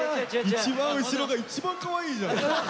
一番後ろが一番かわいいじゃん。